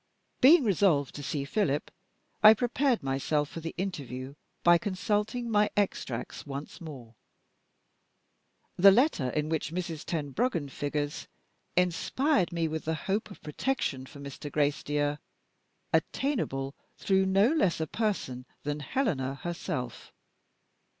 Being resolved to see Philip, I prepared myself for the interview by consulting my extracts once more. The letter, in which Mrs. Tenbruggen figures, inspired me with the hope of protection for Mr. Gracedieu, attainable through no less a person than Helena herself.